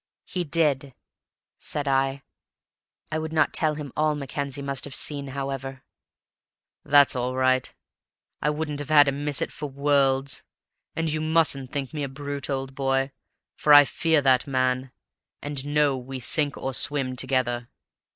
"He did," said I. I would not tell him all Mackenzie must have seen, however. "That's all right. I wouldn't have had him miss it for worlds; and you mustn't think me a brute, old boy, for I fear that man, and, know, we sink or swim together."